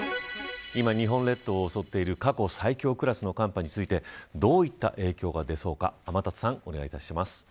今、日本列島を襲っている過去最強クラスの寒波についてどういった影響が出そうか天達さん、お願いします。